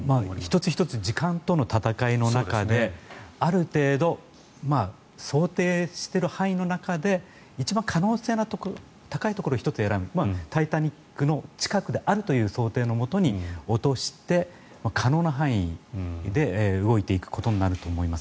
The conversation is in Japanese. １つ１つ時間との闘いの中である程度想定している範囲の中で一番可能性の高いところを１つ選ぶ「タイタニック」の近くであるという想定のもとに落として可能な範囲で動いていくことになると思います。